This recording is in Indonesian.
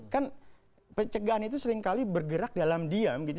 kan pencegahan itu seringkali bergerak dalam diam gitu